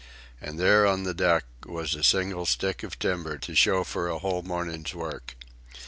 And there on the deck was a single stick of timber to show for a whole morning's work.